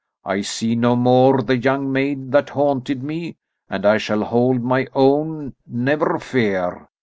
I see no more the young maid that haunted me, and I shall hold my own, never fear.